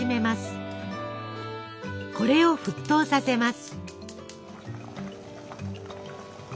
これを沸騰させます。